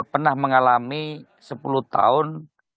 pernah mengalami sepuluh tahun